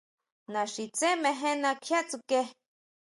Naxitsé mejena kjuia tsuke.